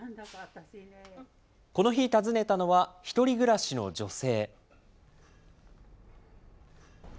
この日、訪ねたのは１人暮らしの女性。